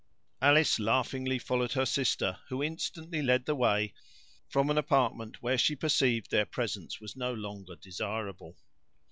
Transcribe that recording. Alice laughingly followed her sister, who instantly led the way from an apartment where she perceived their presence was no longer desirable.